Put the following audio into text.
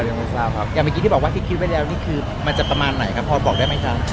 อย่างเมื่อกี้ที่บอกว่าที่คิดอยู่แบบนี้คือมันจะประมาณไหนครับครับ